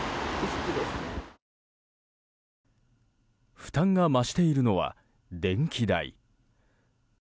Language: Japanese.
負担が増しているのは電気代。